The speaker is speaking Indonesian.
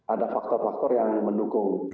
ada faktor faktor yang mendukung